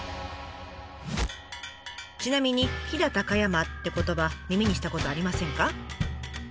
ちなみに「飛騨高山」って言葉耳にしたことありませんか？